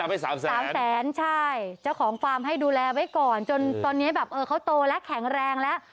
๓๐๐๐๐๐บาทใช่เจ้าของความให้ดูแลไว้ก่อนจนตอนนี้แบบเขาโตแล้วแข็งแรงแล้ว